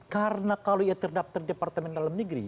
karena kalau dia terdaftar ke departemen dalam negeri